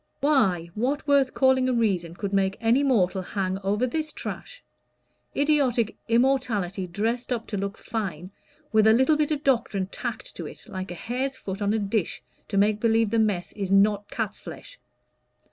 "Why, what worth calling a reason could make any mortal hang over this trash? idiotic immorality dressed up to look fine, with a little bit of doctrine tacked to it, like a hare's foot on a dish, to make believe the mess is not cat's flesh.